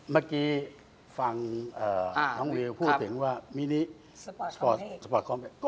เมื่อกี้ฟังน้องวิวพูดถึงว่ามินิสปอร์ตสปอร์ตคอม